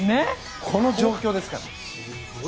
この状況ですから。